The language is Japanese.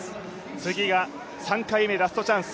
次が３回目、ラストチャンス。